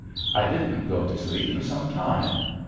I didn't go to sleep for some time.